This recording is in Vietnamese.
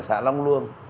xã long luông